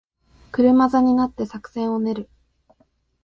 車座になって作戦を練る